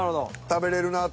「食べれるな」？